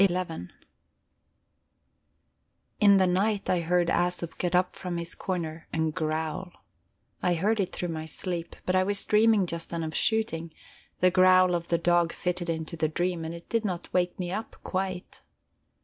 XI In the night I heard Æsop get up from his corner and growl; I heard it through my sleep, but I was dreaming just then of shooting, the growl of the dog fitted into the dream, and it did not wake me, quite.